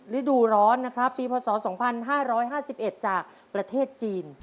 ฤดูร้อนนะครับปีพศ๒๕๕๑จากประเทศจีน